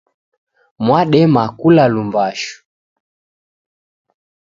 Mwadema kula lumbashu